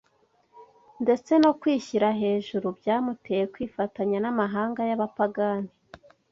ndetse no kwishyira hejuru byamuteye kwifatanya n’amahanga y’abapagani